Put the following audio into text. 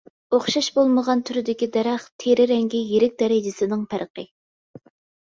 ئوخشاش بولمىغان تۈردىكى دەرەخ تېرە رەڭگى يىرىك دەرىجىسىنىڭ پەرقى.